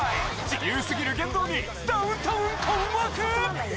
自由すぎる言動にダウンタウン困惑！？